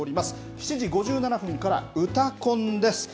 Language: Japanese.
７時５７分から、うたコンです。